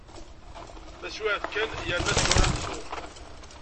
Taswiɛt kan, yerna-ten uramsu.